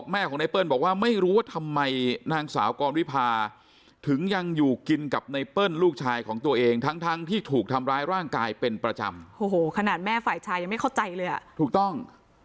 แม่ของไนเปิ้ลบอกว่าไม่รู้ว่าทำไมนางสาวกรวิพาถึงยังอยู่กินกับไนเปิ้ลลูกชายของตัวเองทั้งทั้งที่ถูกทำร้ายร่างกายเป็นประจำโอ้โหขนาดแม่ฝ่ายชายยังไม่เข้าใจเลยอ่ะถูกต้อง